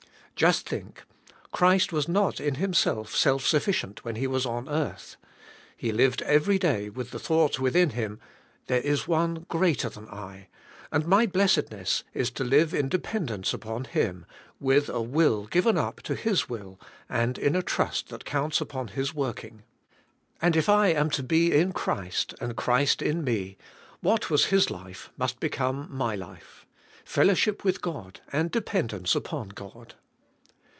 Just think, Christ was not, in Himself, self sufiB.cient when He was on earth. He lived every day with the thought within Him: There is one greater than I, and my blessedness is to live in dependence upon Him, with a will given up to His will and in a trust that counts upon His working. And if I am to be in Christ and Christ in me, what was His life must become my life; fellowship with God and dependence upon God.